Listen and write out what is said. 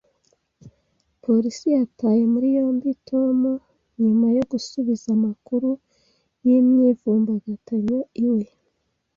Polisi yataye muri yombi Tom nyuma yo gusubiza amakuru y’imyivumbagatanyo iwe.